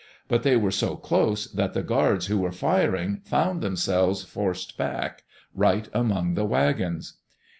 But they were so close that the guards who were firing found themselves forced back, right among the wagons.